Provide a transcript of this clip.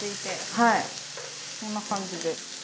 はいこんな感じで。